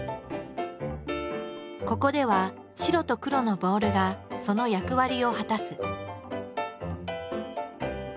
ここでは白と黒のボールがその役割を果たす。